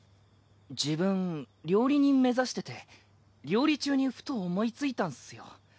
自分料理人目指してて料理中にふと思いついたんっすよ。